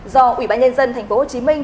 do ủy ban nhân dân thành phố hồ chí minh